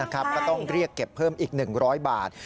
ก็ต้องเรียกเก็บเพิ่มอีก๑๐๐บาท